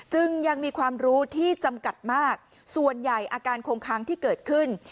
ยังมีความรู้ที่จำกัดมากส่วนใหญ่อาการคงค้างที่เกิดขึ้น